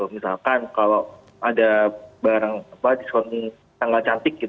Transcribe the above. misalkan kalau ada barang diskon tanggal cantik